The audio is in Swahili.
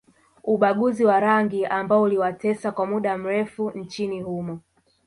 Ubaguzi wa rangi ambao uliwatesa kwa mda mrefu nchini humo